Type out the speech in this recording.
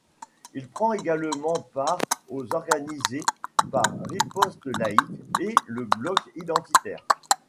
Il prend également part aux organisées par Riposte laïque et le Bloc identitaire.